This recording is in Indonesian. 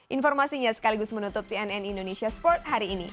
informasinya sekaligus menutup cnn indonesia sport hari ini